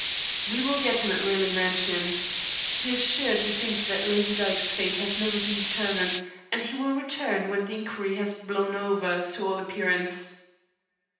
"We will get him at Raleigh Mansions. He is sure to think that Lady Dyke's fate has never been determined, and he will return when the inquiry has blown over, to all appearance."